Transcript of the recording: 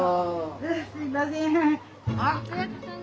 すいません。